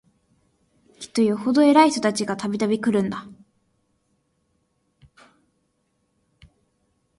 きっとよほど偉い人たちが、度々来るんだ